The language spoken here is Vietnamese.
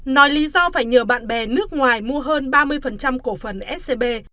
nói lý do phải nhờ bạn bè nước ngoài mua hơn ba mươi cổ phần scb